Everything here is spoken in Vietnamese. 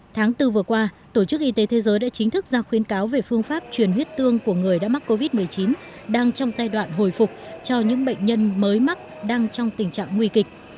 tháng bốn vừa qua tổ chức y tế thế giới đã chính thức ra khuyến cáo về phương pháp truyền huyết tương của người đã mắc covid một mươi chín đang trong giai đoạn hồi phục cho những bệnh nhân mới mắc đang trong tình trạng nguy kịch